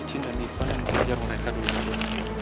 sebaiknya udah biarin bocin dan ivan yang ngajar mereka dulu